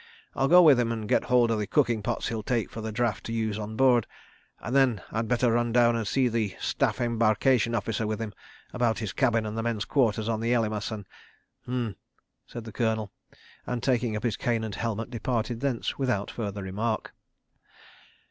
"I'll go with him and get hold of the cooking pots he'll take for the draft to use on board—and then I'd better run down and see the Staff Embarkation Officer with him, about his cabin and the men's quarters on the Elymas, and. .." "H'm!" said the Colonel, and taking up his cane and helmet, departed thence without further remark.